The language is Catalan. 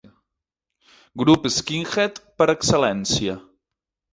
Grup skinhead per excel·lència.